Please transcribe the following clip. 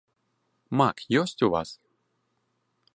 Мак ёсць у вас?